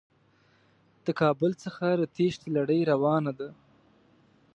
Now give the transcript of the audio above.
د کابل څخه د تېښتې لړۍ روانه ده.